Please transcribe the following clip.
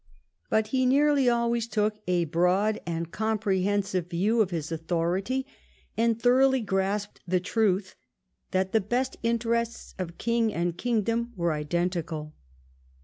But he nearly always took a broad and com prehensive view of his authority, and thoroughly grasped the truth that the best interests of king and kingdom were identical.